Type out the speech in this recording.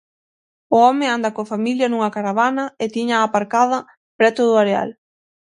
O home anda coa familia nunha caravana e tíñaa aparcada preto do areal.